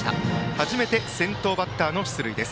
初めて先頭バッターの出塁。